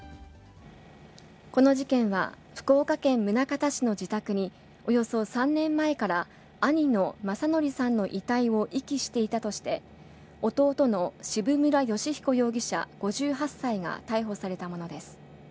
この事件は、福岡県宗像市の自宅に、およそ３年前から兄の政憲さんの遺体を遺棄していたとして、弟の渋村美彦容疑者５８歳が逮捕されたものです。